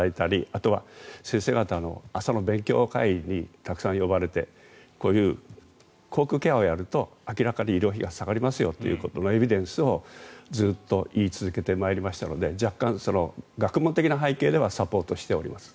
あとは先生方の朝の勉強会にたくさん呼ばれてこういう口腔ケアをやると明らかに医療費が下がりますよということのエビデンスをずっと言い続けてまいりましたので若干、学問的な背景ではサポートしております。